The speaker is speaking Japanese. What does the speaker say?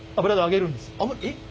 えっ？